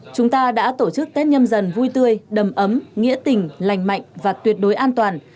chúng ta đã tổ chức tết nhâm dần vui tươi đầm ấm nghĩa tình lành mạnh và tuyệt đối an toàn